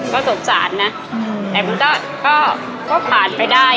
ก็สงสารนะแต่มันก็ผ่านไปได้